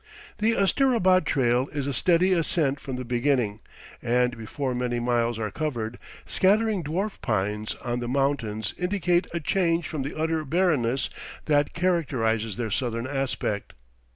The Asterabad trail is a steady ascent from the beginning; and before many miles are covered, scattering dwarf pines on the, mountains indicate a change from the utter barrenness that characterizes their southern aspect.